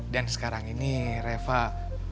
dan sekarang ini reva sudah bisa berjaya